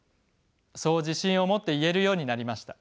そう自信を持って言えるようになりました。